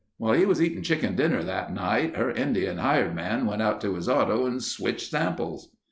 "While he was eating chicken dinner that night, her Indian hired man went out to his auto and switched samples."